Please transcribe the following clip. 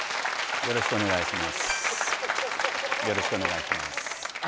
よろしくお願いします